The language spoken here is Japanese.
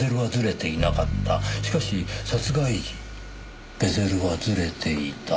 しかし殺害時ベゼルはずれていた。